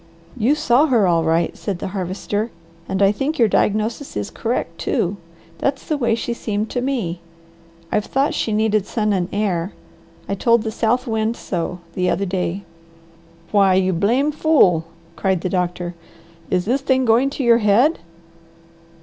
"You saw her all right!" said the Harvester, "and I think your diagnosis is correct too. That's the way she seemed to me. I've thought she needed sun and air. I told the South Wind so the other day." "Why you blame fool!" cried the doctor. "Is this thing going to your head?